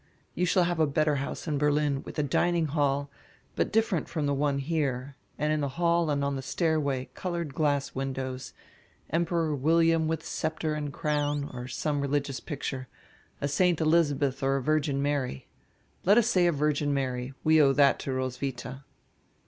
You shall have a better house in Berlin, with a dining hall, but different from the one here, and in tire hall and on tire stairway colored glass windows, Enrperor William with sceptre and crown, or sonre re ligious picture, a St. Elizabeth or a Virgin Mary. Let us say a Virgin Mary; we owe that to Roswitha."